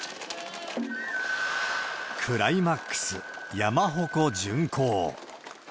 クライマックス、山鉾巡行。